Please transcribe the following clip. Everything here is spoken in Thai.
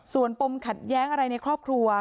ส่วนปมขัดแย้งอะไรในครอบครัว